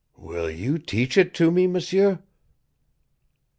"Will you teach it to me, M'seur?"